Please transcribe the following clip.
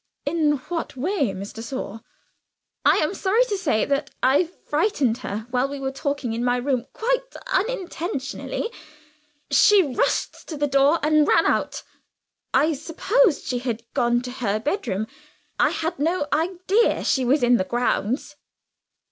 "In what way, Miss de Sor?" "I am sorry to say I frightened her while we were talking in my room quite unintentionally. She rushed to the door and ran out. I supposed she had gone to her bedroom; I had no idea she was in the grounds."